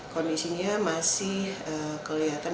kondisinya masih kelihatan